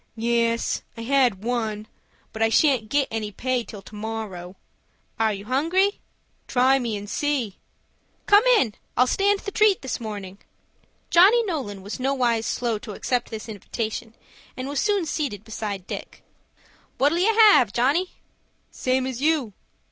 "Yes, I had one, but I shan't get any pay till to morrow." "Are you hungry?" "Try me, and see." "Come in. I'll stand treat this morning." Johnny Nolan was nowise slow to accept this invitation, and was soon seated beside Dick. "What'll you have, Johnny?" "Same as you."